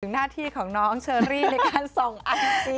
ถึงหน้าที่ของน้องเชอรี่ในการส่งอันตรี